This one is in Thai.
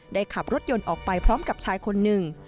ขับรถยนต์ออกไปพร้อมกับชายคนหนึ่ง